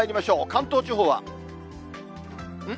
関東地方は、ん？